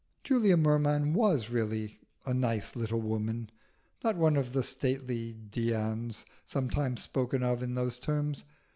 Julia Merman was really a "nice little woman," not one of the stately Dians sometimes spoken of in those terms.